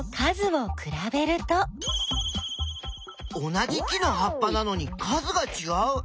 同じ木のはっぱなのに数がちがう。